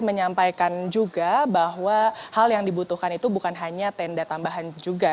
menyampaikan juga bahwa hal yang dibutuhkan itu bukan hanya tenda tambahan juga